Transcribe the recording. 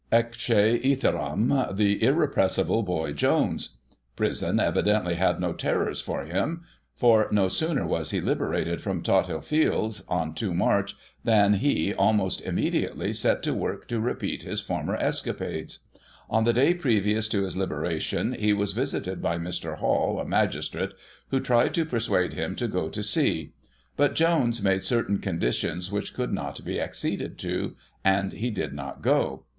Ecce iterum the irrepressible BOY JONES ! Prison evidently had no terrors for him ; for, no sooner was he liberated from Tothill Fields, on 2 Mar., than he, almost immediately, set to work to repeat his former escapades. On the day previous to his liberation, he was visited by Mr. Hall, a magistrate, who tried to persuade him to go to sea; but Jones made certain conditions which could not be acceded to, and he did not go.